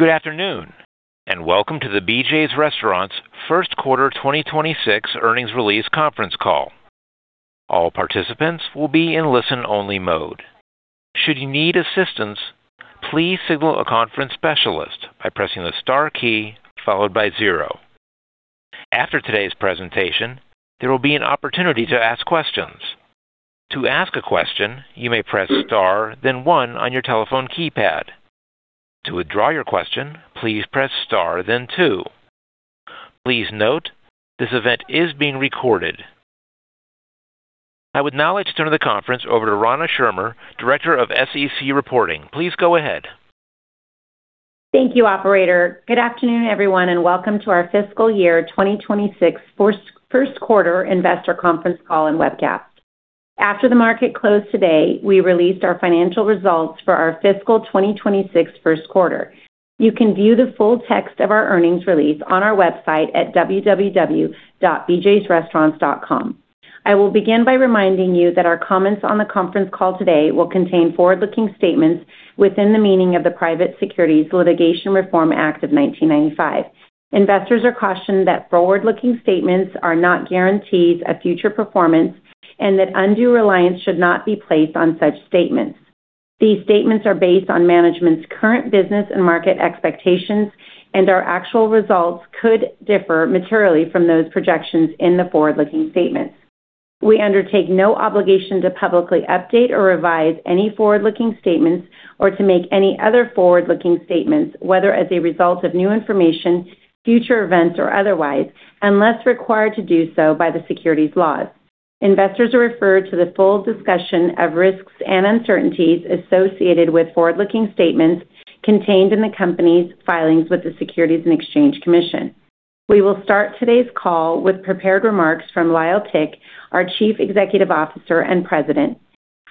Good afternoon. Welcome to the BJ's Restaurants first quarter 2026 earnings release conference call. All participants will be in listen-only mode. Should you need assistance, please signal a conference specialist by pressing the star key followed by 0. After today's presentation, there will be an opportunity to ask questions. To ask a question, you may press star then 1 on your telephone keypad. To withdraw your question, please press star then 2. Please note, this event is being recorded. I would now like to turn the conference over to Rana Schirmer, Director of SEC Reporting. Please go ahead. Thank you, operator. Good afternoon, everyone, welcome to our fiscal year 2026 first quarter investor conference call and webcast. After the market closed today, we released our financial results for our fiscal 2026 first quarter. You can view the full text of our earnings release on our website at www.bjsrestaurants.com. I will begin by reminding you that our comments on the conference call today will contain forward-looking statements within the meaning of the Private Securities Litigation Reform Act of 1995. Investors are cautioned that forward-looking statements are not guarantees of future performance and that undue reliance should not be placed on such statements. These statements are based on management's current business and market expectations, and our actual results could differ materially from those projections in the forward-looking statements. We undertake no obligation to publicly update or revise any forward-looking statements or to make any other forward-looking statements, whether as a result of new information, future events, or otherwise, unless required to do so by the securities laws. Investors are referred to the full discussion of risks and uncertainties associated with forward-looking statements contained in the company's filings with the Securities and Exchange Commission. We will start today's call with prepared remarks from Lyle Tick, our Chief Executive Officer and President,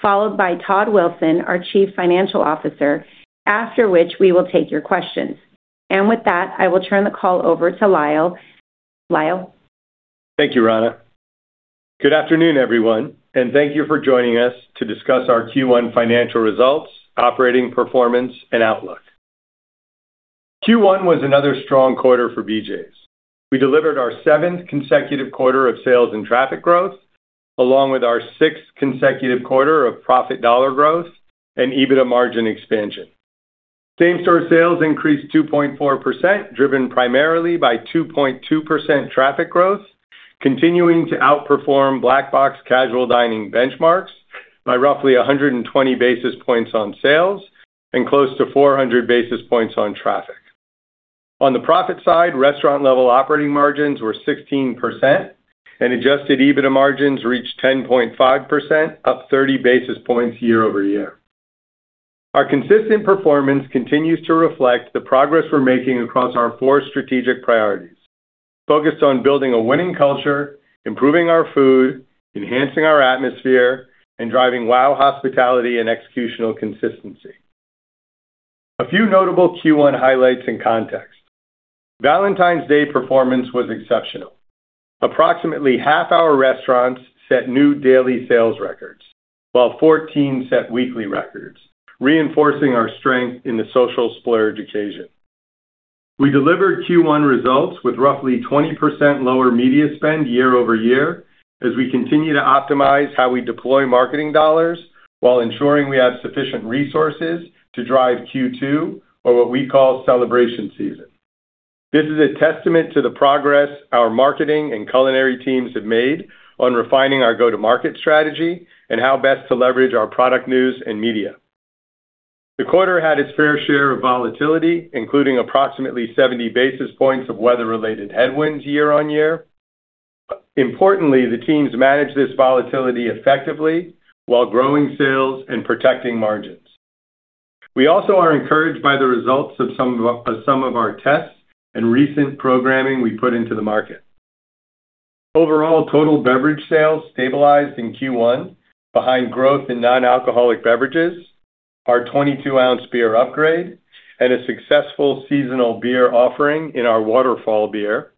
followed by Todd Wilson, our Chief Financial Officer. After which we will take your questions. With that, I will turn the call over to Lyle. Lyle? Thank you, Rana. Good afternoon, everyone, and thank you for joining us to discuss our Q1 financial results, operating performance, and outlook. Q1 was another strong quarter for BJ's. We delivered our seventh consecutive quarter of sales and traffic growth, along with our sixth consecutive quarter of profit dollar growth and EBITDA margin expansion. Same-store sales increased 2.4%, driven primarily by 2.2% traffic growth, continuing to outperform Black Box casual dining benchmarks by roughly 120 basis points on sales and close to 400 basis points on traffic. On the profit side, restaurant-level operating margins were 16%, and adjusted EBITDA margins reached 10.5%, up 30 basis points year-over-year. Our consistent performance continues to reflect the progress we're making across our four strategic priorities. Focused on building a winning culture, improving our food, enhancing our atmosphere, and driving wow hospitality and executional consistency. A few notable Q1 highlights and context. Valentine's Day performance was exceptional. Approximately half our restaurants set new daily sales records, while 14 set weekly records, reinforcing our strength in the social splurge occasion. We delivered Q1 results with roughly 20% lower media spend year-over-year as we continue to optimize how we deploy marketing dollars while ensuring we have sufficient resources to drive Q2, or what we call celebration season. This is a testament to the progress our marketing and culinary teams have made on refining our go-to-market strategy and how best to leverage our product news and media. The quarter had its fair share of volatility, including approximately 70 basis points of weather-related headwinds year-on-year. Importantly, the teams managed this volatility effectively while growing sales and protecting margins. We also are encouraged by the results of some of our tests and recent programming we put into the market. Overall, total beverage sales stabilized in Q1 behind growth in non-alcoholic beverages. Our 22-ounce beer upgrade and a successful seasonal beer offering in our Waterfall beer,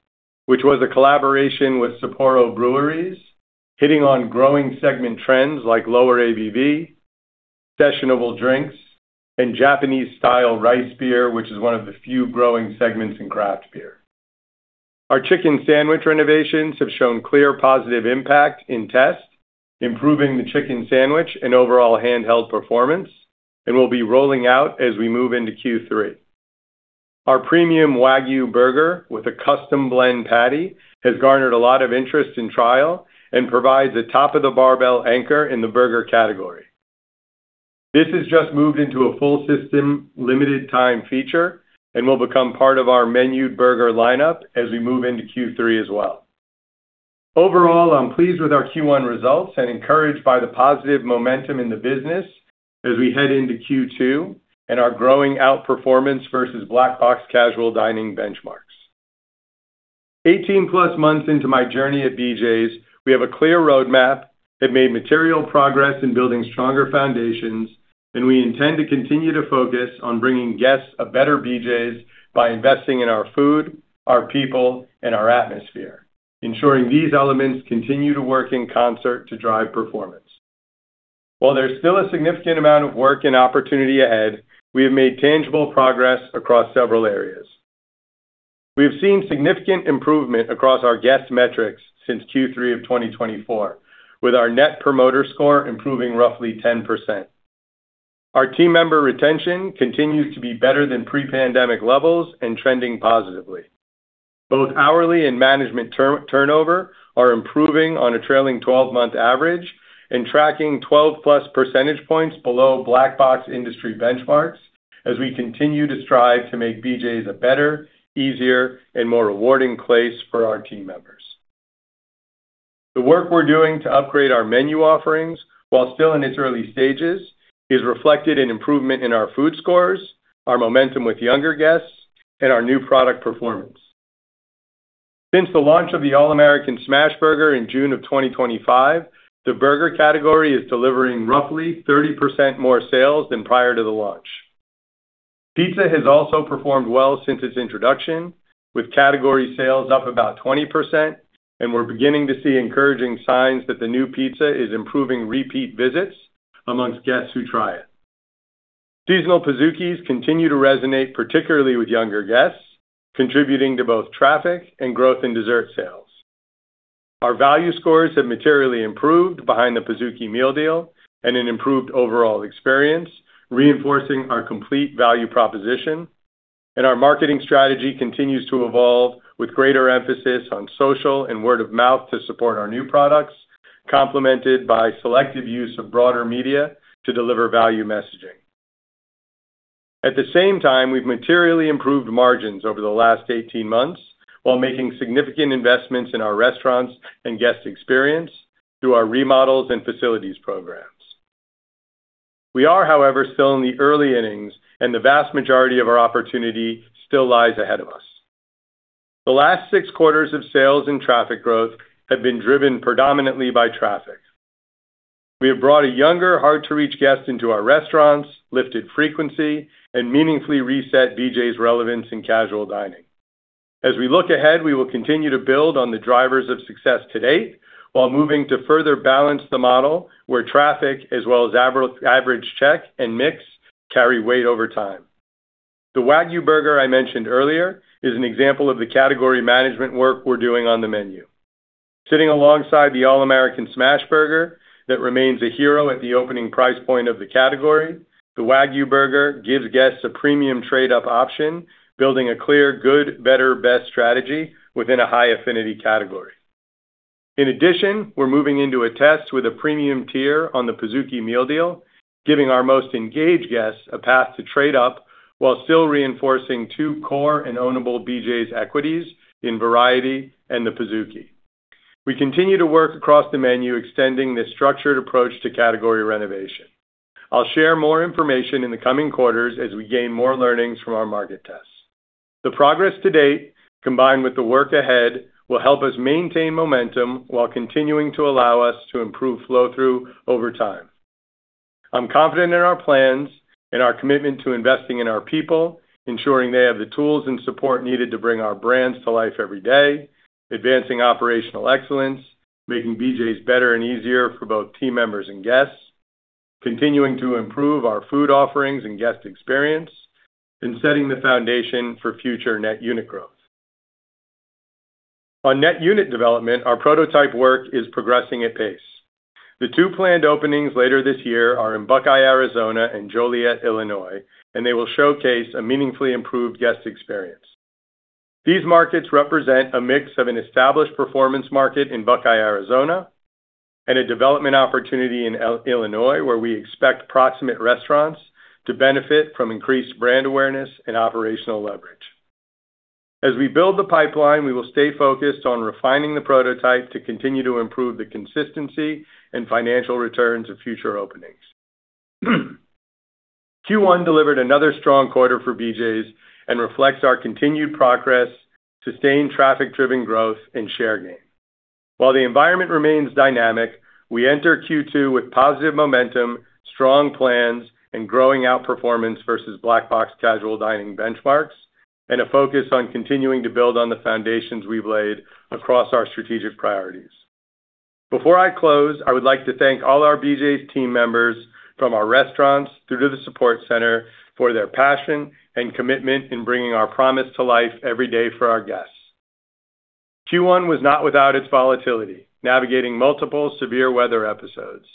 which was a collaboration with Sapporo Breweries, hitting on growing segment trends like lower ABV, sessionable drinks, and Japanese-style rice beer, which is one of the few growing segments in craft beer. Our chicken sandwich renovations have shown clear positive impact in tests, improving the chicken sandwich and overall handheld performance, and will be rolling out as we move into Q3. Our premium Wagyu Burger with a custom blend patty has garnered a lot of interest in trial and provides a top-of-the-barbell anchor in the burger category. This has just moved into a full system limited time feature and will become part of our menu burger lineup as we move into Q3 as well. Overall, I'm pleased with our Q1 results and encouraged by the positive momentum in the business as we head into Q2 and our growing outperformance versus Black Box casual dining benchmarks. 18+ months into my journey at BJ's, we have a clear roadmap that made material progress in building stronger foundations, and we intend to continue to focus on bringing guests a better BJ's by investing in our food, our people, and our atmosphere, ensuring these elements continue to work in concert to drive performance. While there's still a significant amount of work and opportunity ahead, we have made tangible progress across several areas. We have seen significant improvement across our guest metrics since Q3 of 2024, with our Net Promoter Score improving roughly 10%. Our team member retention continues to be better than pre-pandemic levels and trending positively. Both hourly and management turnover are improving on a trailing 12-month average and tracking 12+ percentage points below Black Box industry benchmarks as we continue to strive to make BJ's a better, easier, and more rewarding place for our team members. The work we're doing to upgrade our menu offerings, while still in its early stages, is reflected in improvement in our food scores, our momentum with younger guests, and our new product performance. Since the launch of the All-American Smash Burger in June of 2025, the burger category is delivering roughly 30% more sales than prior to the launch. Pizza has also performed well since its introduction, with category sales up about 20%, and we're beginning to see encouraging signs that the new pizza is improving repeat visits amongst guests who try it. Seasonal Pizookies continue to resonate, particularly with younger guests, contributing to both traffic and growth in dessert sales. Our value scores have materially improved behind the Pizookie Meal Deal and an improved overall experience, reinforcing our complete value proposition. Our marketing strategy continues to evolve with greater emphasis on social and word-of-mouth to support our new products, complemented by selective use of broader media to deliver value messaging. At the same time, we've materially improved margins over the last 18 months while making significant investments in our restaurants and guest experience through our remodels and facilities programs. We are, however, still in the early innings, and the vast majority of our opportunity still lies ahead of us. The last 6 quarters of sales and traffic growth have been driven predominantly by traffic. We have brought a younger, hard-to-reach guest into our restaurants, lifted frequency, and meaningfully reset BJ's relevance in casual dining. As we look ahead, we will continue to build on the drivers of success to date while moving to further balance the model where traffic as well as average check and mix carry weight over time. The Wagyu Burger I mentioned earlier is an example of the category management work we're doing on the menu. Sitting alongside the All-American Smash Burger that remains a hero at the opening price point of the category, the Wagyu Burger gives guests a premium trade-up option, building a clear good, better, best strategy within a high-affinity category. In addition, we're moving into a test with a premium tier on the Pizookie Meal Deal, giving our most engaged guests a path to trade up while still reinforcing two core and ownable BJ's equities in variety and the Pizookie. We continue to work across the menu, extending this structured approach to category renovation. I'll share more information in the coming quarters as we gain more learnings from our market tests. The progress to date, combined with the work ahead, will help us maintain momentum while continuing to allow us to improve flow-through over time. I'm confident in our plans and our commitment to investing in our people, ensuring they have the tools and support needed to bring our brands to life every day, advancing operational excellence, making BJ's better and easier for both team members and guests, continuing to improve our food offerings and guest experience, and setting the foundation for future net unit growth. On net unit development, our prototype work is progressing at pace. The two planned openings later this year are in Buckeye, Arizona and Joliet, Illinois, and they will showcase a meaningfully improved guest experience. These markets represent a mix of an established performance market in Buckeye, Arizona, and a development opportunity in Joliet, Illinois, where we expect proximate restaurants to benefit from increased brand awareness and operational leverage. As we build the pipeline, we will stay focused on refining the prototype to continue to improve the consistency and financial returns of future openings. Q1 delivered another strong quarter for BJ's and reflects our continued progress, sustained traffic-driven growth, and share gain. While the environment remains dynamic, we enter Q2 with positive momentum, strong plans, and growing outperformance versus Black Box casual dining benchmarks, and a focus on continuing to build on the foundations we've laid across our strategic priorities. Before I close, I would like to thank all our BJ's team members from our restaurants through to the support center for their passion and commitment in bringing our promise to life every day for our guests. Q1 was not without its volatility, navigating multiple severe weather episodes,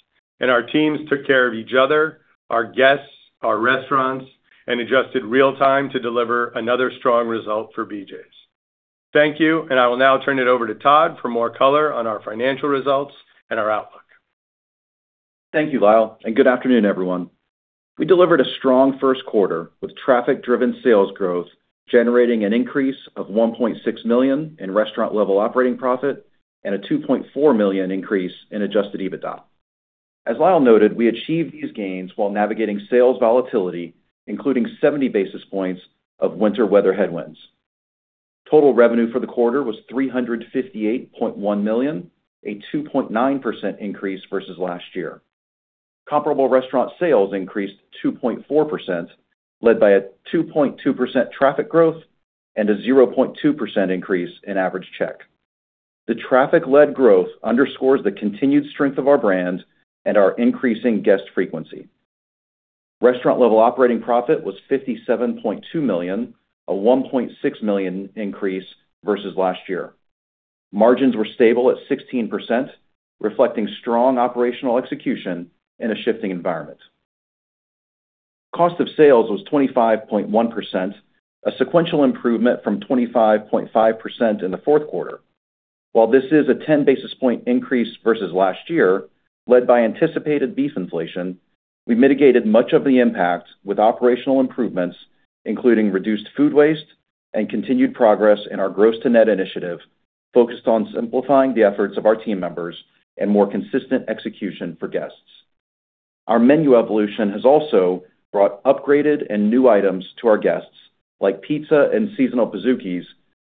and our teams took care of each other, our guests, our restaurants, and adjusted real time to deliver another strong result for BJ's. Thank you. I will now turn it over to Todd for more color on our financial results and our outlook. Thank you, Lyle. Good afternoon, everyone. We delivered a strong first quarter with traffic-driven sales growth, generating an increase of $1.6 million in restaurant-level operating profit and a $2.4 million increase in adjusted EBITDA. As Lyle noted, we achieved these gains while navigating sales volatility, including 70 basis points of winter weather headwinds. Total revenue for the quarter was $358.1 million, a 2.9% increase versus last year. Comparable restaurant sales increased 2.4%, led by a 2.2% traffic growth and a 0.2% increase in average check. The traffic-led growth underscores the continued strength of our brand and our increasing guest frequency. Restaurant-level operating profit was $57.2 million, a $1.6 million increase versus last year. Margins were stable at 16%, reflecting strong operational execution in a shifting environment. Cost of sales was 25.1%, a sequential improvement from 25.5% in the fourth quarter. While this is a 10 basis point increase versus last year, led by anticipated beef inflation, we mitigated much of the impact with operational improvements, including reduced food waste and continued progress in our gross to net initiative focused on simplifying the efforts of our team members and more consistent execution for guests. Our menu evolution has also brought upgraded and new items to our guests, like pizza and seasonal Pizookies,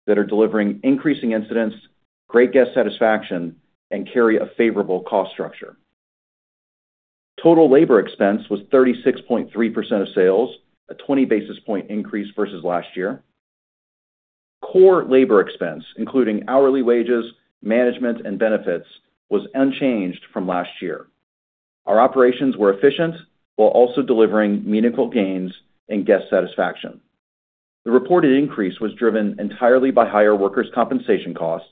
that are delivering increasing incidents, great guest satisfaction, and carry a favorable cost structure. Total labor expense was 36.3% of sales, a 20 basis point increase versus last year. Core labor expense, including hourly wages, management, and benefits, was unchanged from last year. Our operations were efficient while also delivering meaningful gains in guest satisfaction. The reported increase was driven entirely by higher workers' compensation costs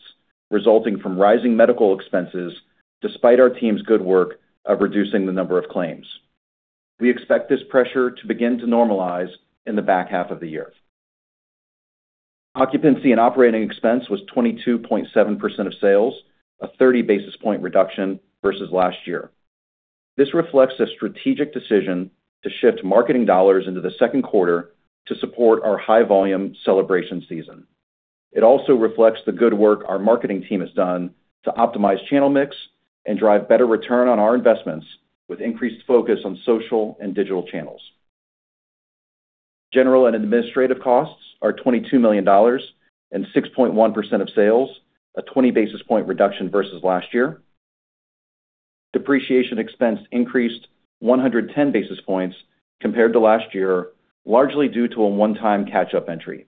resulting from rising medical expenses despite our team's good work of reducing the number of claims. We expect this pressure to begin to normalize in the back half of the year. Occupancy and operating expense was 22.7% of sales, a 30 basis point reduction versus last year. This reflects a strategic decision to shift marketing dollars into the second quarter to support our high-volume celebration season. It also reflects the good work our marketing team has done to optimize channel mix and drive better return on our investments with increased focus on social and digital channels. General and administrative costs are $22 million and 6.1% of sales, a 20 basis point reduction versus last year. Depreciation expense increased 110 basis points compared to last year, largely due to a one-time catch-up entry.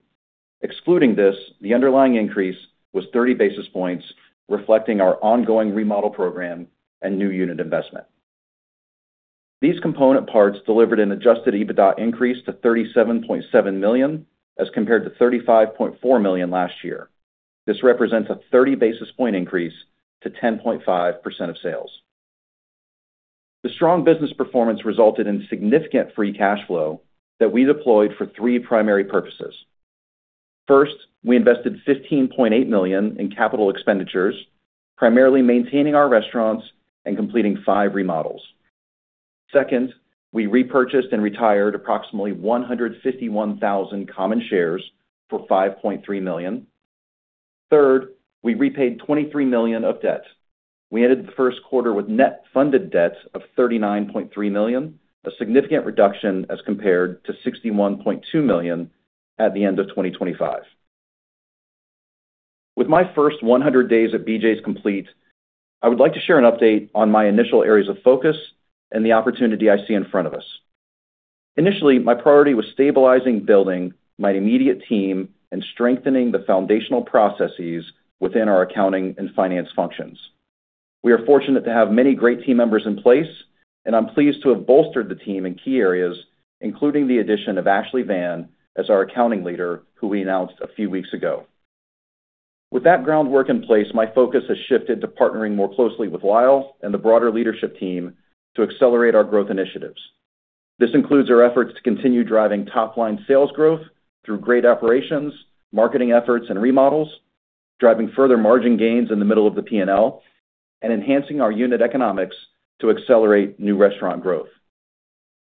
Excluding this, the underlying increase was 30 basis points, reflecting our ongoing remodel program and new unit investment. These component parts delivered an adjusted EBITDA increase to $37.7 million as compared to $35.4 million last year. This represents a 30 basis point increase to 10.5% of sales. The strong business performance resulted in significant free cash flow that we deployed for three primary purposes. First, we invested $15.8 million in capital expenditures, primarily maintaining our restaurants and completing 5 remodels. Second, we repurchased and retired approximately 151,000 common shares for $5.3 million. Third, we repaid $23 million of debt. We ended the first quarter with net funded debt of $39.3 million, a significant reduction as compared to $61.2 million at the end of 2025. With my first 100 days at BJ's complete, I would like to share an update on my initial areas of focus and the opportunity I see in front of us. Initially, my priority was stabilizing building my immediate team and strengthening the foundational processes within our accounting and finance functions. We are fortunate to have many great team members in place, and I'm pleased to have bolstered the team in key areas, including the addition of Ashley Van as our accounting leader, who we announced a few weeks ago. With that groundwork in place, my focus has shifted to partnering more closely with Lyle and the broader leadership team to accelerate our growth initiatives. This includes our efforts to continue driving top-line sales growth through great operations, marketing efforts, and remodels, driving further margin gains in the middle of the P&L, and enhancing our unit economics to accelerate new restaurant growth.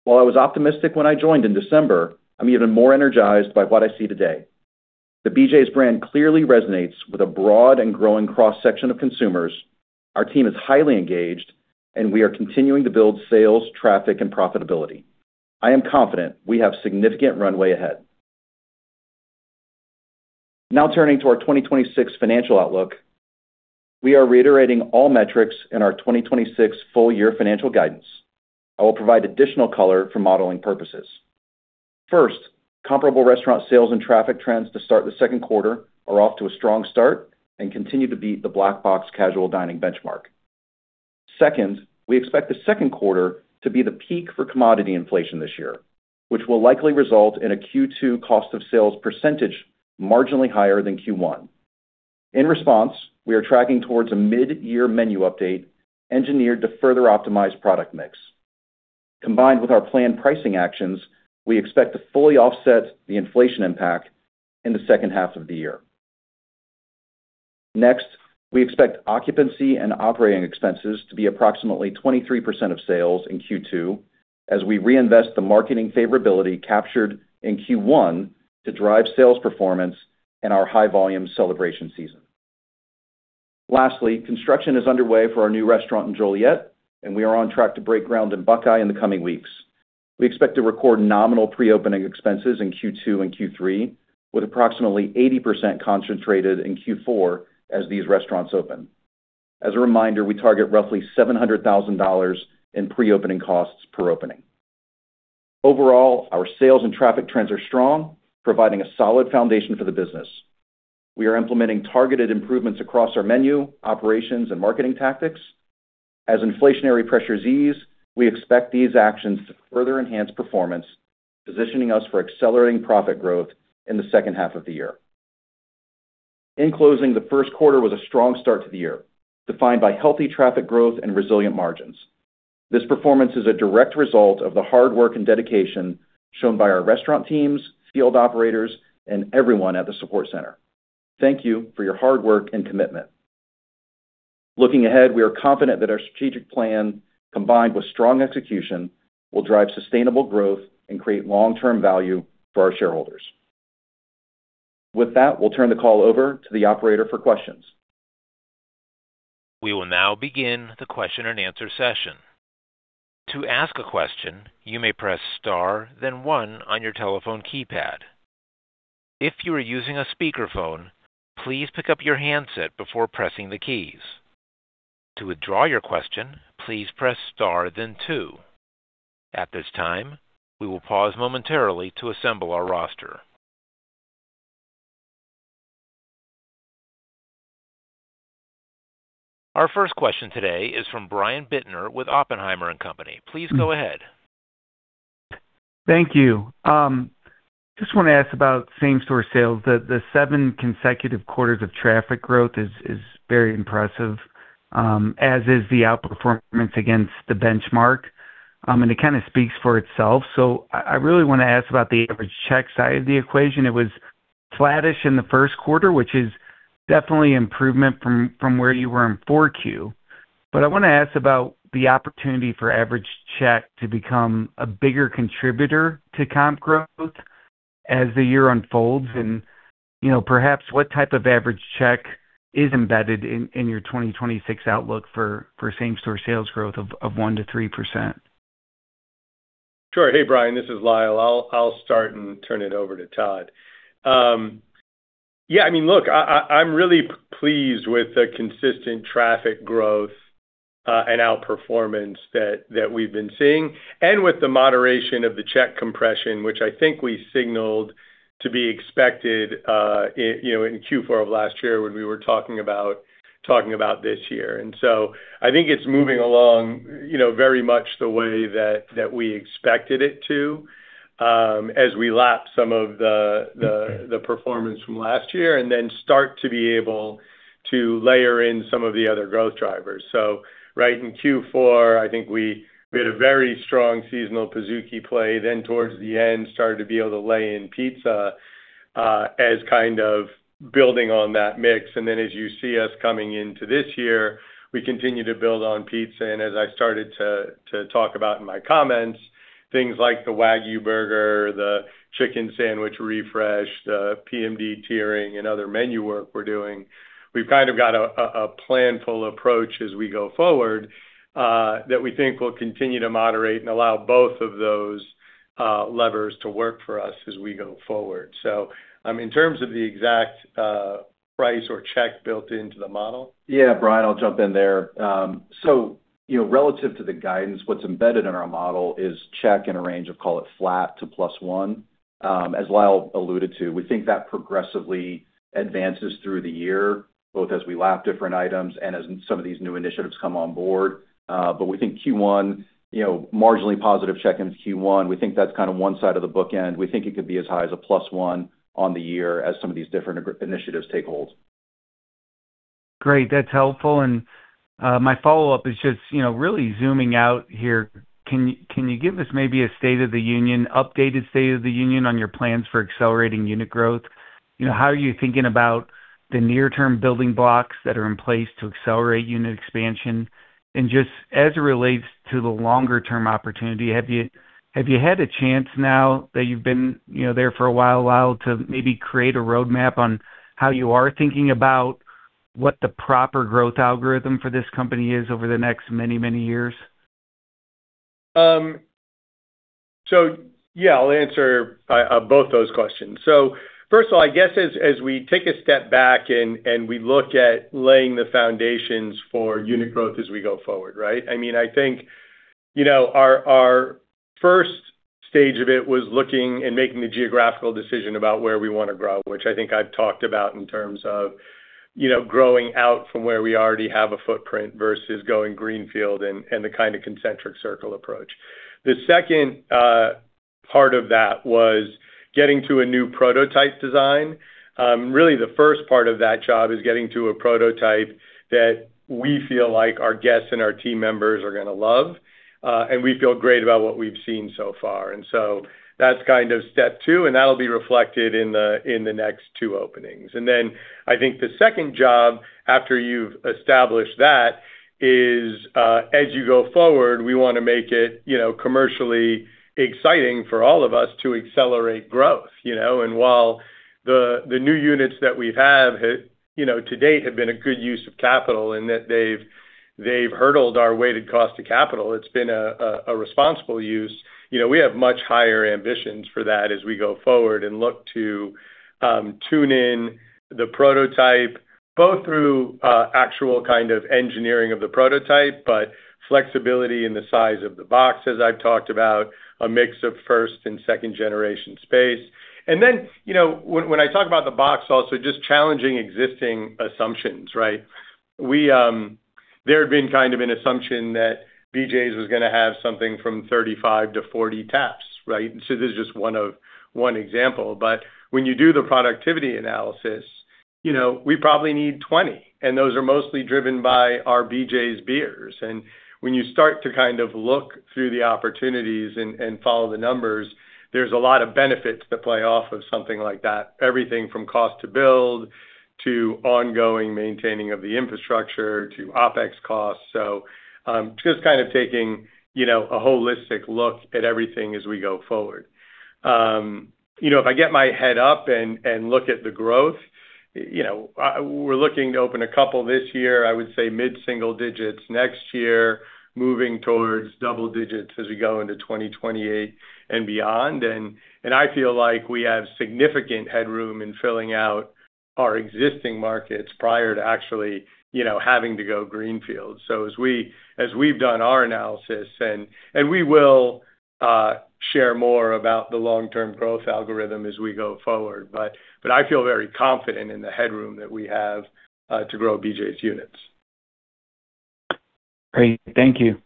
While I was optimistic when I joined in December, I'm even more energized by what I see today. The BJ's brand clearly resonates with a broad and growing cross-section of consumers. Our team is highly engaged, and we are continuing to build sales, traffic, and profitability. I am confident we have significant runway ahead. Turning to our 2026 financial outlook. We are reiterating all metrics in our 2026 full year financial guidance. I will provide additional color for modeling purposes. Comparable restaurant sales and traffic trends to start the second quarter are off to a strong start and continue to beat the Black Box casual dining benchmark. We expect the second quarter to be the peak for commodity inflation this year, which will likely result in a Q2 cost of sales percentage marginally higher than Q1. In response, we are tracking towards a mid-year menu update engineered to further optimize product mix. Combined with our planned pricing actions, we expect to fully offset the inflation impact in the second half of the year. We expect occupancy and operating expenses to be approximately 23% of sales in Q2 as we reinvest the marketing favorability captured in Q1 to drive sales performance in our high-volume celebration season. Lastly, construction is underway for our new restaurant in Joliet, and we are on track to break ground in Buckeye in the coming weeks. We expect to record nominal preopening expenses in Q2 and Q3, with approximately 80% concentrated in Q4 as these restaurants open. As a reminder, we target roughly $700,000 in preopening costs per opening. Overall, our sales and traffic trends are strong, providing a solid foundation for the business. We are implementing targeted improvements across our menu, operations, and marketing tactics. As inflationary pressures ease, we expect these actions to further enhance performance, positioning us for accelerating profit growth in the second half of the year. In closing, the first quarter was a strong start to the year, defined by healthy traffic growth and resilient margins. This performance is a direct result of the hard work and dedication shown by our restaurant teams, field operators, and everyone at the support center. Thank you for your hard work and commitment. Looking ahead, we are confident that our strategic plan, combined with strong execution, will drive sustainable growth and create long-term value for our shareholders. With that, we'll turn the call over to the operator for questions. We will now begin the question and answer session. To ask a question, you may press star then 1 on your telephone keypad. If you are using a speakerphone, please pick up your handset before pressing the keys. To withdraw your question, please press star then 2. At this time, we will pause momentarily to assemble our roster. Our first question today is from Brian Bittner with Oppenheimer & Co. Please go ahead. Thank you. Just want to ask about same-store sales. The seven consecutive quarters of traffic growth is very impressive, as is the outperformance against the benchmark. It kind of speaks for itself. I really want to ask about the average check side of the equation. It was flattish in the first quarter, which is definitely improvement from where you were in 4Q. I want to ask about the opportunity for average check to become a bigger contributor to comp growth as the year unfolds. You know, perhaps what type of average check is embedded in your 2026 outlook for same-store sales growth of 1%-3%. Sure. Hey, Brian, this is Lyle. I'll start and turn it over to Todd. Yeah, I mean, look, I'm really pleased with the consistent traffic growth and outperformance that we've been seeing and with the moderation of the check compression, which I think we signaled to be expected, you know, in Q4 of last year when we were talking about this year. I think it's moving along, you know, very much the way that we expected it to, as we lap some of the performance from last year and then start to be able to layer in some of the other growth drivers. Right in Q4, I think we had a very strong seasonal Pizookie play. Towards the end, started to be able to lay in pizza as kind of building on that mix. As you see us coming into this year, we continue to build on pizza. As I started to talk about in my comments, things like the Wagyu Burger, the chicken sandwich refresh, the PMD tiering, and other menu work we're doing. We've kind of got a planful approach as we go forward that we think will continue to moderate and allow both of those levers to work for us as we go forward. In terms of the exact price or check built into the model? Yeah, Brian, I'll jump in there. You know, relative to the guidance, what's embedded in our model is check in a range of, call it, flat to +1. As Lyle alluded to, we think that progressively advances through the year, both as we lap different items and as some of these new initiatives come on board. We think Q1, you know, marginally positive check into Q1, we think that's kind of one side of the bookend. We think it could be as high as a +1 on the year as some of these different initiatives take hold. Great. That's helpful. My follow-up is just, you know, really zooming out here. Can you give us maybe a state of the union, updated state of the union on your plans for accelerating unit growth? You know, how are you thinking about the near-term building blocks that are in place to accelerate unit expansion? Just as it relates to the longer term opportunity, have you had a chance now that you've been, you know, there for a while, Lyle, to maybe create a roadmap on how you are thinking about what the proper growth algorithm for this company is over the next many, many years? Yeah, I'll answer both those questions. First of all, I guess as we take a step back and we look at laying the foundations for unit growth as we go forward, right? I mean, I think, you know, our first stage of it was looking and making the geographical decision about where we wanna grow, which I think I've talked about in terms of, you know, growing out from where we already have a footprint versus going greenfield and the kind of concentric circle approach. The second part of that was getting to a new prototype design. Really the first part of that job is getting to a prototype that we feel like our guests and our team members are gonna love, and we feel great about what we've seen so far. That's kind of step two, and that'll be reflected in the, in the next two openings. Then I think the second job after you've established that is, as you go forward, we wanna make it, you know, commercially exciting for all of us to accelerate growth, you know? While the new units that we have, you know, to date have been a good use of capital and that they've hurdled our weighted cost of capital, it's been a responsible use. You know, we have much higher ambitions for that as we go forward and look to tune in the prototype both through actual kind of engineering of the prototype, but flexibility in the size of the box, as I've talked about, a mix of first and second generation space. You know, when I talk about the box also, just challenging existing assumptions, right? We, there had been kind of an assumption that BJ's was gonna have something from 35-40 taps, right? This is just one example. When you do the productivity analysis, you know, we probably need 20, and those are mostly driven by our BJ's beers. When you start to kind of look through the opportunities and follow the numbers, there's a lot of benefits that play off of something like that. Everything from cost to build, to ongoing maintaining of the infrastructure, to OpEx costs. Just kind of taking, you know, a holistic look at everything as we go forward. You know, if I get my head up and look at the growth, you know, we're looking to open a couple this year, I would say mid-single digits next year, moving towards double digits as we go into 2028 and beyond. I feel like we have significant headroom in filling out our existing markets prior to actually, you know, having to go greenfield. As we've done our analysis and we will, share more about the long-term growth algorithm as we go forward, I feel very confident in the headroom that we have, to grow BJ's units. Great. Thank you.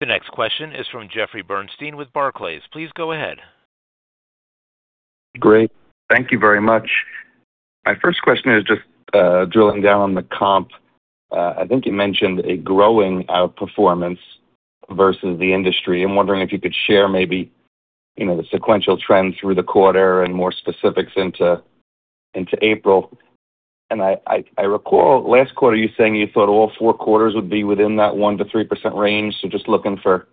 The next question is from Jeffrey Bernstein with Barclays. Please go ahead. Great. Thank you very much. My first question is just drilling down on the comp. I think you mentioned a growing outperformance versus the industry. I'm wondering if you could share maybe, you know, the sequential trend through the quarter and more specifics into April. I recall last quarter you saying you thought all four quarters would be within that 1%-3% range, just looking for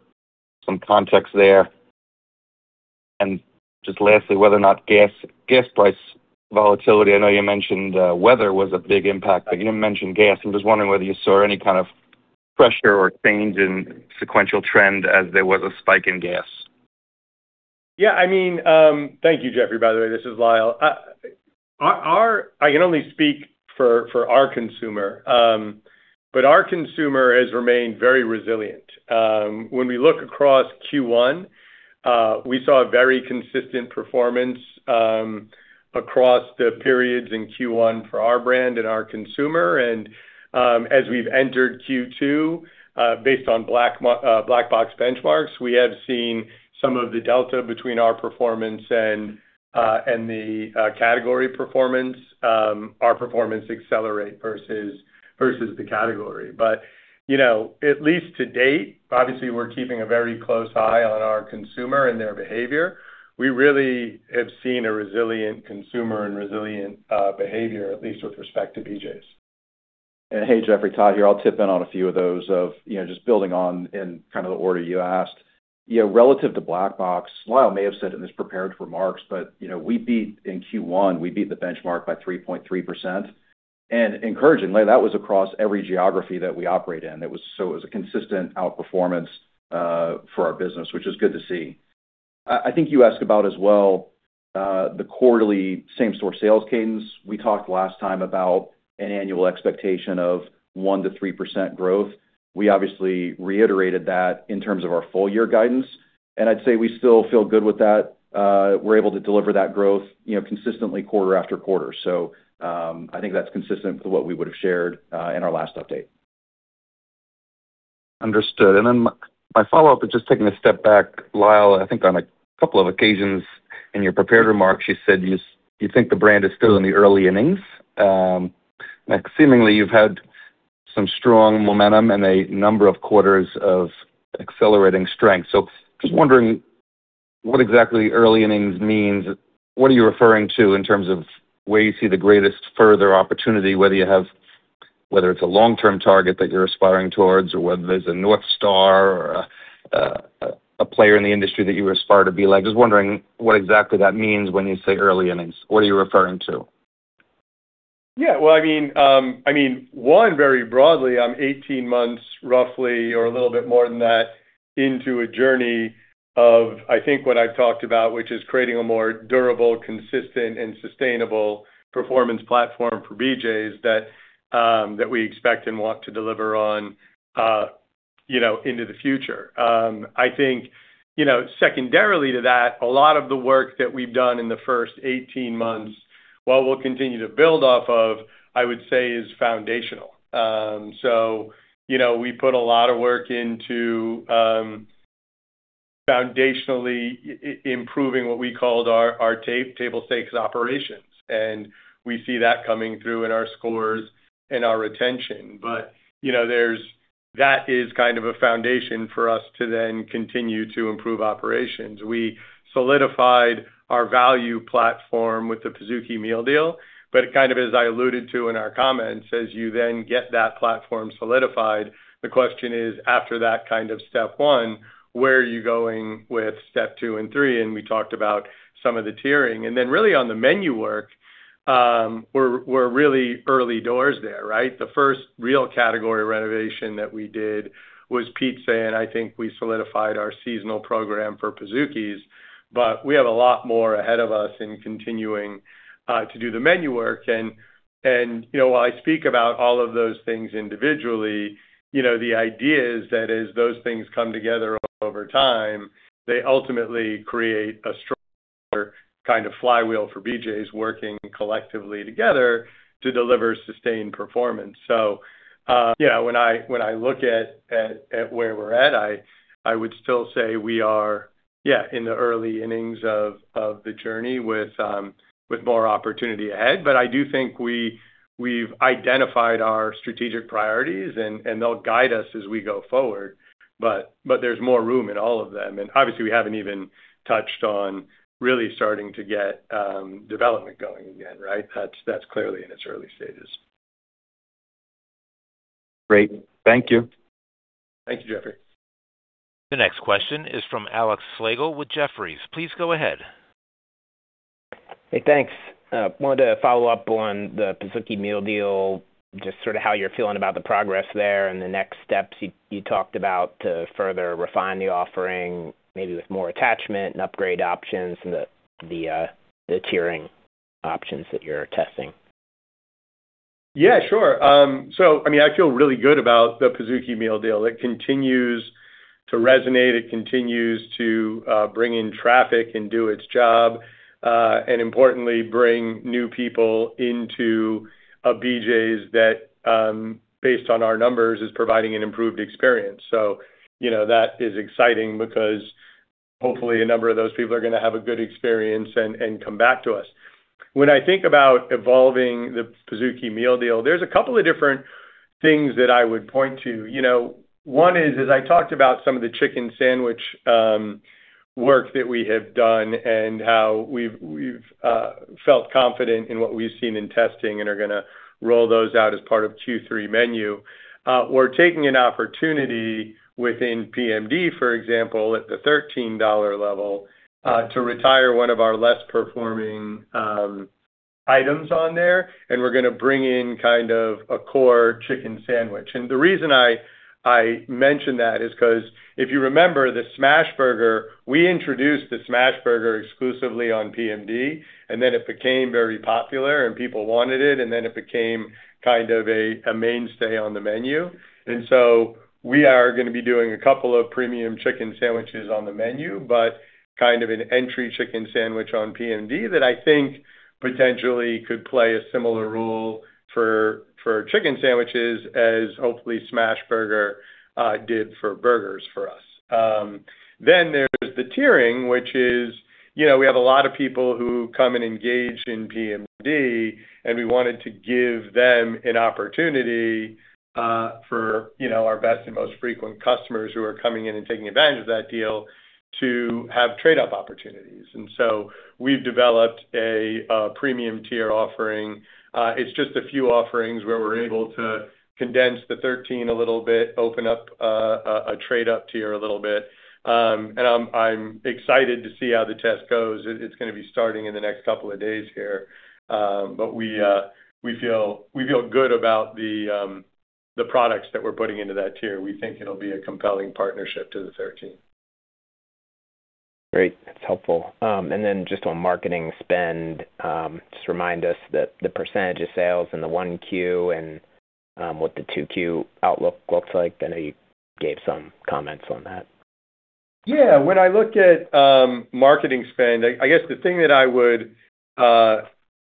some context there. Just lastly, whether or not gas price volatility. I know you mentioned weather was a big impact, but you didn't mention gas. I'm just wondering whether you saw any kind of pressure or change in sequential trend as there was a spike in gas. Yeah, I mean, Thank you, Jeffrey, by the way. This is Lyle. I can only speak for our consumer, but our consumer has remained very resilient. When we look across Q1, we saw a very consistent performance across the periods in Q1 for our brand and our consumer. As we've entered Q2, based on Black Box benchmarks, we have seen some of the delta between our performance and the category performance, our performance accelerate versus the category. You know, at least to date, obviously, we're keeping a very close eye on our consumer and their behavior. We really have seen a resilient consumer and resilient behavior, at least with respect to BJ's. Hey, Jeffrey. Todd here. I'll tip in on a few of those of, you know, just building on in kind of the order you asked. You know, relative to Black Box, Lyle may have said it in his prepared remarks, you know, in Q1, we beat the benchmark by 3.3%. Encouragingly, that was across every geography that we operate in. It was a consistent outperformance for our business, which is good to see. I think you asked about as well the quarterly same-store sales cadence. We talked last time about an annual expectation of 1%-3% growth. We obviously reiterated that in terms of our full year guidance, I'd say we still feel good with that. We're able to deliver that growth, you know, consistently quarter after quarter. I think that's consistent with what we would've shared in our last update. Understood. My, my follow-up is just taking a step back. Lyle, I think on a couple of occasions in your prepared remarks, you said you think the brand is still in the early innings. Seemingly you've had some strong momentum and a number of quarters of accelerating strength. Just wondering what exactly early innings means. What are you referring to in terms of where you see the greatest further opportunity, whether it's a long-term target that you're aspiring towards, or whether there's a North Star or a player in the industry that you aspire to be like. Just wondering what exactly that means when you say early innings. What are you referring to? Well, I mean, I mean, one, very broadly, I'm 18 months, roughly, or a little bit more than that into a journey of, I think what I've talked about, which is creating a more durable, consistent, and sustainable performance platform for BJ's that we expect and want to deliver on, you know, into the future. I think, you know, secondarily to that, a lot of the work that we've done in the first 18 months, while we'll continue to build off of, I would say is foundational. You know, we put a lot of work into foundationally improving what we called our table stakes operations, and we see that coming through in our scores and our retention. You know, that is kind of a foundation for us to then continue to improve operations. We solidified our value platform with the Pizookie Meal Deal, kind of as I alluded to in our comments, as you then get that platform solidified, the question is, after that kind of step 1, where are you going with step 2 and 3? We talked about some of the tiering. Then really on the Menu work, we're really early doors there, right? The first real category renovation that we did was pizza, and I think we solidified our seasonal program for Pizookies. We have a lot more ahead of us in continuing to do the menu work and, you know, while I speak about all of those things individually, you know, the idea is that as those things come together over time, they ultimately create a stronger kind of flywheel for BJ's working collectively together to deliver sustained performance. When I look at where we're at, I would still say we are in the early innings of the journey with more opportunity ahead. I do think we've identified our strategic priorities and they'll guide us as we go forward, there's more room in all of them. Obviously, we haven't even touched on really starting to get development going again, right? That's clearly in its early stages. Great. Thank you. Thank you, Jeffrey. The next question is from Alex Slagle with Jefferies. Please go ahead. Hey, thanks. wanted to follow up on the Pizookie Meal Deal, just sort of how you're feeling about the progress there and the next steps you talked about to further refine the offering, maybe with more attachment and upgrade options and the tiering options that you're testing. Yeah, sure. I mean, I feel really good about the Pizookie Meal Deal. It continues to resonate. It continues to bring in traffic and do its job, and importantly, bring new people into a BJ's that, based on our numbers, is providing an improved experience. You know, that is exciting because hopefully a number of those people are gonna have a good experience and come back to us. When I think about evolving the Pizookie Meal Deal, there's a couple of different things that I would point to. You know, one is, as I talked about some of the chicken sandwich work that we have done and how we've felt confident in what we've seen in testing and are gonna roll those out as part of Q3 menu. We're taking an opportunity within PMD, for example, at the $13 level, to retire one of our less performing items on there, and we're gonna bring in kind of a core chicken sandwich. The reason I mention that is 'cause if you remember the Smash Burger, we introduced the Smash Burger exclusively on PMD, and then it became very popular, and people wanted it, and then it became kind of a mainstay on the menu. We are gonna be doing a couple of premium chicken sandwiches on the menu, but kind of an entry chicken sandwich on PMD that I think potentially could play a similar role for chicken sandwiches as hopefully Smash Burger did for burgers for us. There's the tiering, which is, you know, we have a lot of people who come and engage in PMD, and we wanted to give them an opportunity for, you know, our best and most frequent customers who are coming in and taking advantage of that deal to have trade-up opportunities. We've developed a premium tier offering. It's just a few offerings where we're able to condense the $13 a little bit, open up a trade-up tier a little bit. I'm excited to see how the test goes. It's gonna be starting in the next 2 days here. We feel good about the products that we're putting into that tier. We think it'll be a compelling partnership to the $13. Great. That's helpful. Then just on marketing spend, just remind us the percentage of sales in the 1Q and what the 2Q outlook looks like. I know you gave some comments on that. Yeah. When I look at marketing spend, I guess the thing that I would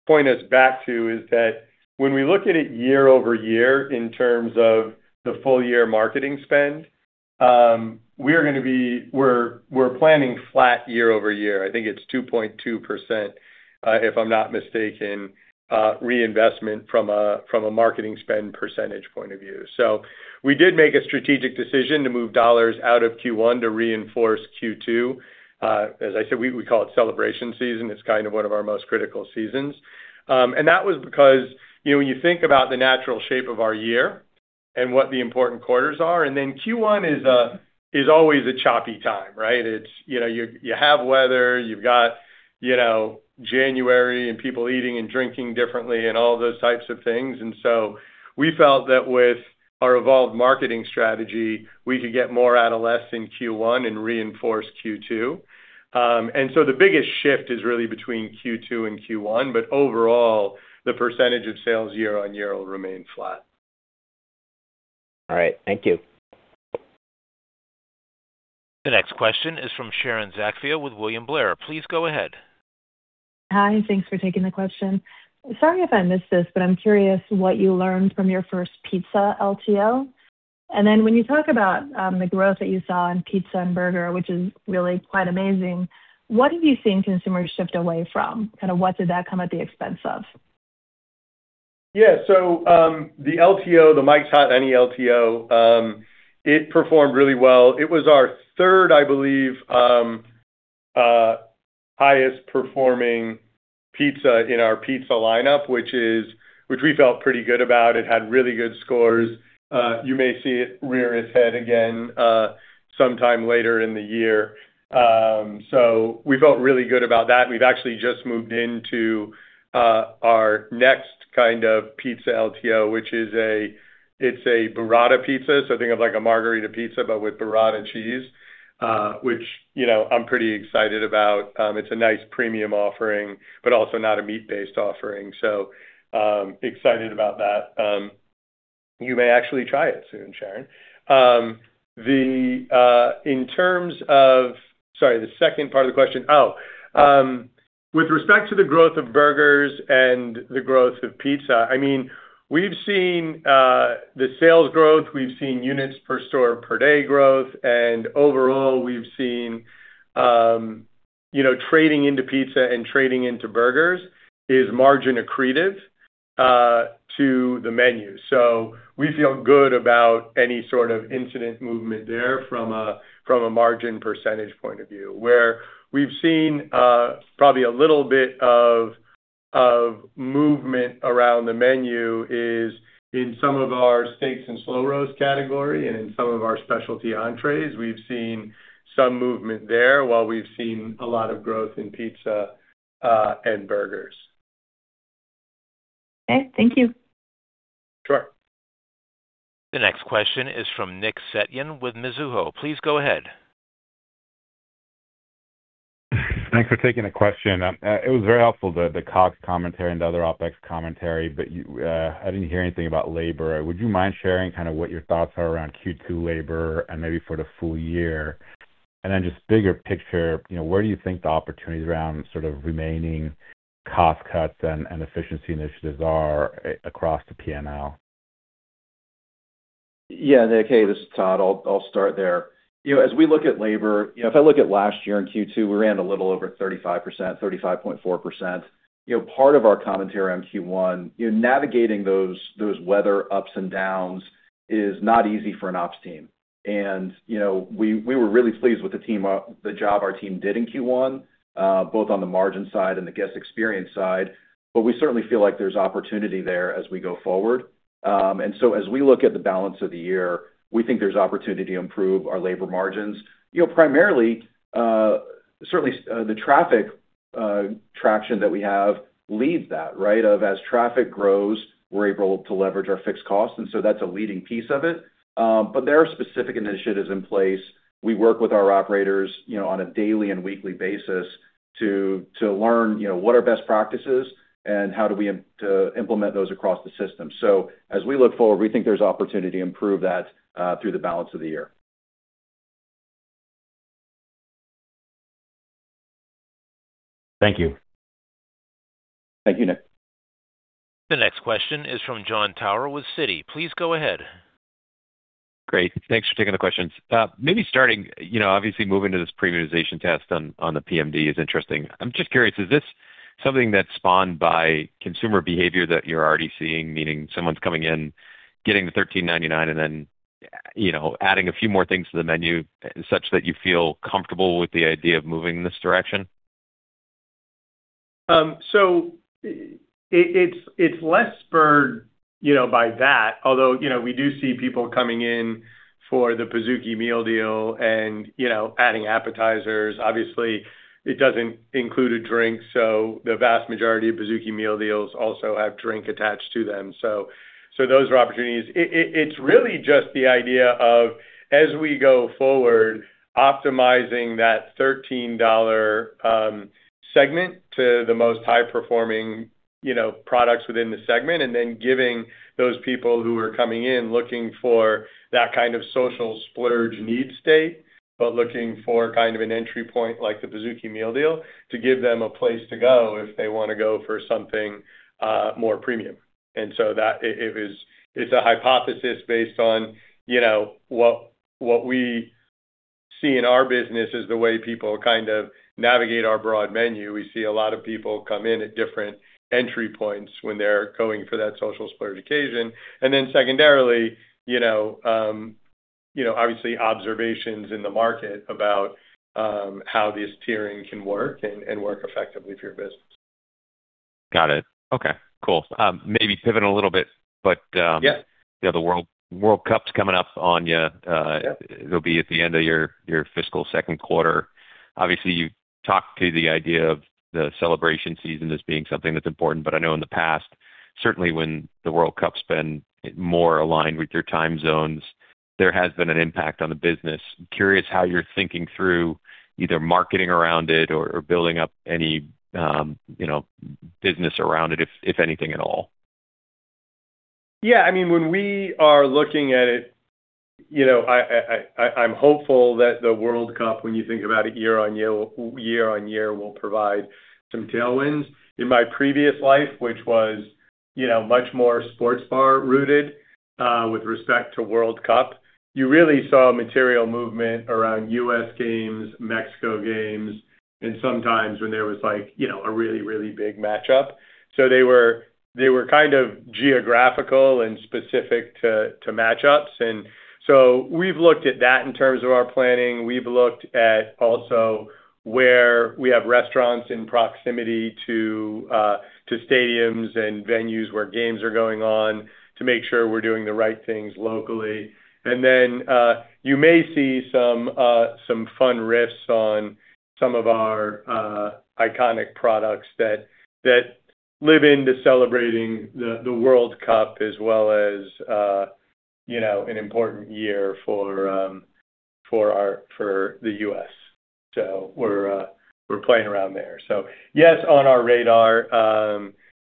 point us back to is that when we look at it year-over-year in terms of the full-year marketing spend, we're planning flat year-over-year. I think it's 2.2%, if I'm not mistaken, reinvestment from a, from a marketing spend percentage point of view. We did make a strategic decision to move dollars out of Q1 to reinforce Q2. As I said, we call it celebration season. It's kind of one of our most critical seasons. That was because, you know, when you think about the natural shape of our year and what the important quarters are, Q1 is always a choppy time, right? It's, you know, you have weather. You've got, you know, January and people eating and drinking differently and all those types of things. We felt that with our evolved marketing strategy, we could get more out of less in Q1 and reinforce Q2. The biggest shift is really between Q2 and Q1, but overall, the percentage of sales year-on-year will remain flat. All right. Thank you. The next question is from Sharon Zackfia with William Blair. Please go ahead. Hi, thanks for taking the question. Sorry if I missed this, but I'm curious what you learned from your first pizza LTO. When you talk about the growth that you saw in pizza and burger, which is really quite amazing, what have you seen consumers shift away from? Kind of what did that come at the expense of? Yeah. The LTO, the Mike's Hot Honey LTO, it performed really well. It was our third, I believe, highest performing pizza in our pizza lineup, which we felt pretty good about. It had really good scores. You may see it rear its head again, sometime later in the year. We felt really good about that. We've actually just moved into our next kind of pizza LTO, which is a burrata pizza. Think of like a margherita pizza, but with burrata cheese, which, you know, I'm pretty excited about. It's a nice premium offering, but also not a meat-based offering. Excited about that. You may actually try it soon, Sharon. The, in terms of Sorry, the second part of the question. With respect to the growth of burgers and the growth of pizza, I mean, we've seen the sales growth, we've seen units per store per day growth, and overall, we've seen, you know, trading into pizza and trading into burgers is margin accretive to the menu. We feel good about any sort of incident movement there from a margin percentage point of view. Where we've seen probably a little bit of movement around the menu is in some of our steaks and Slow-Roasted category and in some of our specialty entrees. We've seen some movement there while we've seen a lot of growth in pizza and burgers. Okay. Thank you. Sure. The next question is from Nick Setyan with Mizuho. Please go ahead. Thanks for taking the question. It was very helpful, the cost commentary and the other OpEx commentary, but you, I didn't hear anything about labor. Would you mind sharing kind of what your thoughts are around Q2 labor and maybe for the full year? Just bigger picture, you know, where do you think the opportunities around sort of remaining cost cuts and efficiency initiatives are across the P&L? Nick. Hey, this is Todd. I'll start there. As we look at labor, if I look at last year in Q2, we ran a little over 35%, 35.4%. Part of our commentary on Q1, navigating those weather ups and downs is not easy for an ops team. We were really pleased with the team, the job our team did in Q1, both on the margin side and the guest experience side, but we certainly feel like there's opportunity there as we go forward. As we look at the balance of the year, we think there's opportunity to improve our labor margins. Primarily, certainly the traffic traction that we have leads that, right? As traffic grows, we're able to leverage our fixed costs, and so that's a leading piece of it. There are specific initiatives in place. We work with our operators, you know, on a daily and weekly basis to learn, you know, what are best practices and how do we to implement those across the system. As we look forward, we think there's opportunity to improve that through the balance of the year. Thank you. Thank you, Nick. The next question is from Jon Tower with Citi. Please go ahead. Great. Thanks for taking the questions. Maybe starting, you know, obviously moving to this premiumization test on the PMD is interesting. I'm just curious, is this something that's spawned by consumer behavior that you're already seeing, meaning someone's coming in, getting the $13.99 and then, you know, adding a few more things to the menu such that you feel comfortable with the idea of moving in this direction? It's less spurred, you know, by that, although, you know, we do see people coming in for the Pizookie Meal Deal and, you know, adding appetizers. Obviously, it doesn't include a drink, the vast majority of Pizookie Meal Deals also have drink attached to them. Those are opportunities. It's really just the idea of, as we go forward, optimizing that $13 segment to the most high performing, you know, products within the segment, giving those people who are coming in looking for that kind of social splurge need state, looking for kind of an entry point like the Pizookie Meal Deal, to give them a place to go if they wanna go for something more premium. That it's a hypothesis based on, you know, what we see in our business is the way people kind of navigate our broad menu. We see a lot of people come in at different entry points when they're going for that social splurge occasion. Secondarily, you know, obviously observations in the market about how this tiering can work and work effectively for your business. Got it. Okay, cool. Yeah the other World Cup's coming up on you. Yeah It'll be at the end of your fiscal second quarter. Obviously, you talked to the idea of the celebration season as being something that's important, but I know in the past, certainly when the World Cup's been more aligned with your time zones, there has been an impact on the business. Curious how you're thinking through either marketing around it or building up any, you know, business around it if anything at all. I mean, when we are looking at it, you know, I'm hopeful that the World Cup, when you think about it year on year on year will provide some tailwinds. In my previous life, which was, you know, much more sports bar rooted, with respect to World Cup, you really saw material movement around U.S. games, Mexico games, and sometimes when there was like, you know, a really, really big matchup. They were kind of geographical and specific to matchups. We've looked at that in terms of our planning. We've looked at also where we have restaurants in proximity to stadiums and venues where games are going on to make sure we're doing the right things locally. Then, you may see some fun riffs on some of our iconic products that live into celebrating the World Cup as well as, you know, an important year for our, for the U.S. We're playing around there. Yes, on our radar,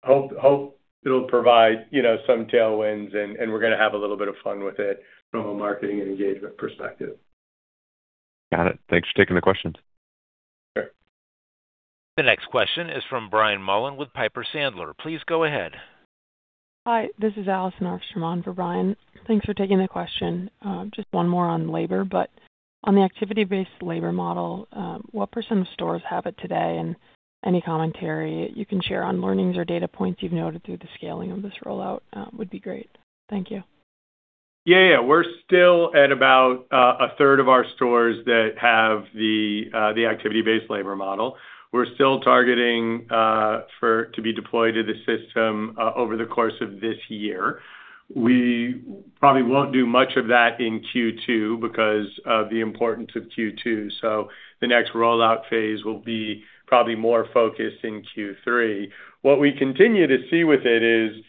hope it'll provide, you know, some tailwinds, and we're gonna have a little bit of fun with it from a marketing and engagement perspective. Got it. Thanks for taking the questions. Sure. The next question is from Brian Mullan with Piper Sandler. Please go ahead. Hi, this is Allison Arfstrom on for Brian. Thanks for taking the question. Just one more on labor, but on the activity-based labor model, what percent of stores have it today? Any commentary you can share on learnings or data points you've noted through the scaling of this rollout, would be great. Thank you. Yeah, yeah. We're still at about a third of our stores that have the activity-based labor model. We're still targeting for it to be deployed to the system over the course of this year. We probably won't do much of that in Q2 because of the importance of Q2, so the next rollout phase will be probably more focused in Q3. What we continue to see with it is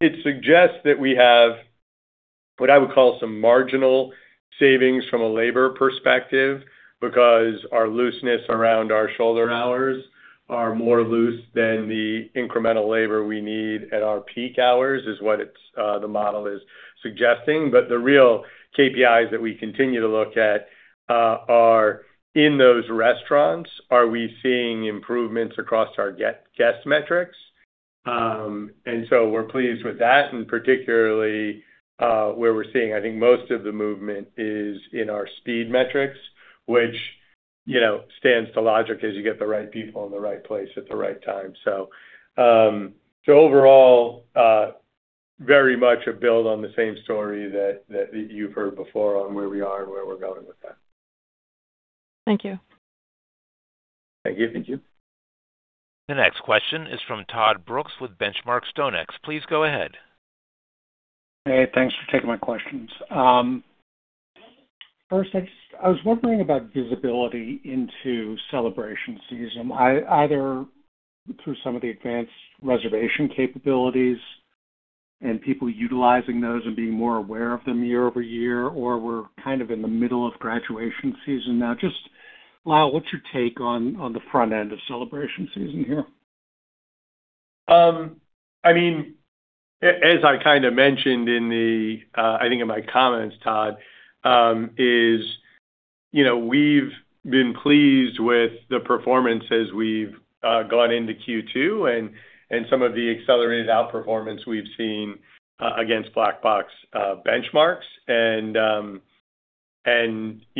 it suggests that we have what I would call some marginal savings from a labor perspective because our looseness around our shoulder hours are more loose than the incremental labor we need at our peak hours, is what it's, the model is suggesting. The real KPIs that we continue to look at, are in those restaurants, are we seeing improvements across our guest metrics? We're pleased with that, particularly, where we're seeing, I think most of the movement is in our speed metrics, which, you know, stands to logic as you get the right people in the right place at the right time. Overall, very much a build on the same story that you've heard before on where we are and where we're going with that. Thank you. Thank you. Thank you. The next question is from Todd Brooks with Benchmark StoneX. Please go ahead. Hey, thanks for taking my questions. First I was wondering about visibility into celebration season, either through some of the advanced reservation capabilities and people utilizing those and being more aware of them year-over-year, or we're kind of in the middle of graduation season now. Just, Lyle, what's your take on the front end of celebration season here? I mean, as I kinda mentioned in the, I think in my comments, Todd, is, you know, we've been pleased with the performance as we've gone into Q2 and some of the accelerated outperformance we've seen against Black Box benchmarks. You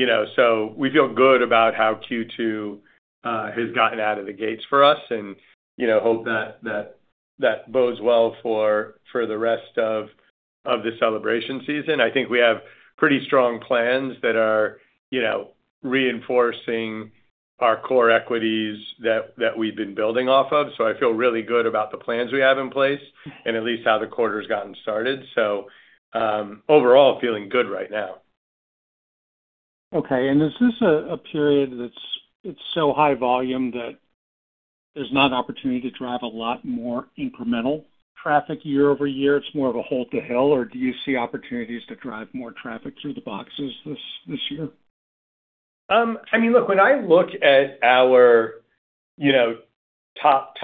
know, we feel good about how Q2 has gotten out of the gates for us and, you know, hope that bodes well for the rest of the celebration season. I think we have pretty strong plans that are, you know, reinforcing our core equities that we've been building off of. I feel really good about the plans we have in place and at least how the quarter's gotten started. Overall, feeling good right now. Okay. Is this a period that's so high volume that there's not an opportunity to drive a lot more incremental traffic year-over-year? It's more of a hard to tell or do you see opportunities to drive more traffic through the boxes this year? I mean, look, when I look at our, you know, top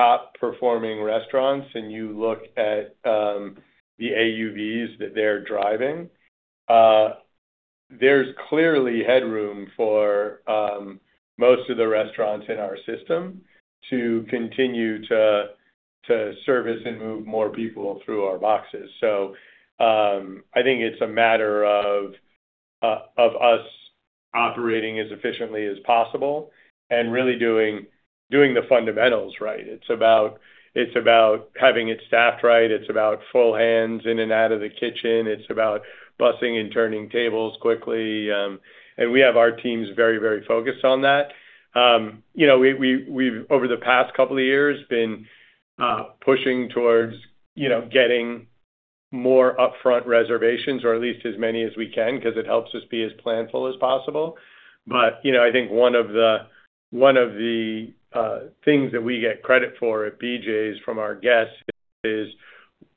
performing restaurants and you look at the AUVs that they're driving, there's clearly headroom for most of the restaurants in our system to continue to service and move more people through our boxes. I think it's a matter of us operating as efficiently as possible and really doing the fundamentals right. It's about having it staffed right, it's about full hands in and out of the kitchen. It's about busing and turning tables quickly. We have our teams very focused on that. You know, we've over the past couple of years been pushing towards, you know, getting more upfront reservations or at least as many as we can 'cause it helps us be as planful as possible. You know, I think one of the things that we get credit for at BJ's from our guests is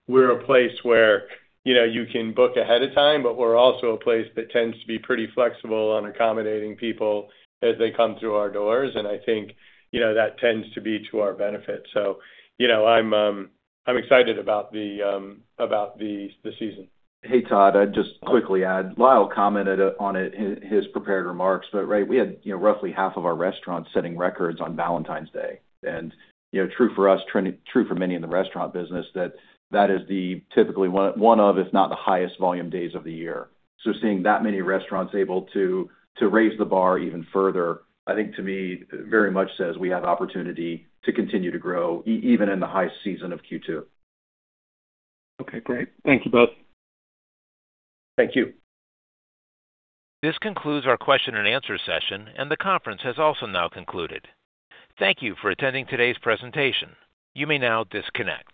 we're a place where, you know, you can book ahead of time, but we're also a place that tends to be pretty flexible on accommodating people as they come through our doors. I think, you know, that tends to be to our benefit. You know, I'm excited about the season. Hey, Todd, I'd just quickly add, Lyle commented on it in his prepared remarks, right, we had, you know, roughly half of our restaurants setting records on Valentine's Day. You know, true for us, true for many in the restaurant business that that is the typically one of, if not the highest volume days of the year. Seeing that many restaurants able to raise the bar even further, I think to me, very much says we have opportunity to continue to grow even in the high season of Q2. Okay, great. Thank you both. Thank you. This concludes our question and answer session, and the conference has also now concluded. Thank you for attending today's presentation. You may now disconnect.